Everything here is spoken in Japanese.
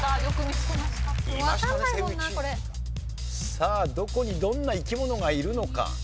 さあどこにどんな生き物がいるのか？